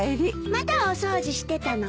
まだお掃除してたの？